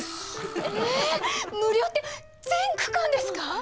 無料って全区間ですか？